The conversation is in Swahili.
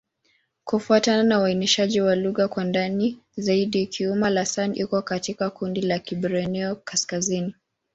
Kufuatana na uainishaji wa lugha kwa ndani zaidi, Kiuma'-Lasan iko katika kundi la Kiborneo-Kaskazini.